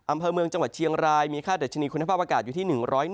อำเภอเมืองจังหวัดเชียงรายมีค่าดัชนีคุณภาพอากาศอยู่ที่๑๐๑